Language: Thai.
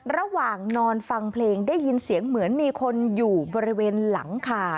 ระหว่างนอนฟังเพลงได้ยินเสียงเหมือนมีคนอยู่บริเวณหลังคา